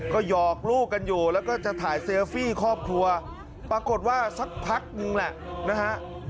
ก็หยอกลูกกันอยู่แล้วก็จะถ่ายเซลฟี่ครอบครัวปรากฏว่าสักพักนึงแหละนะฮะ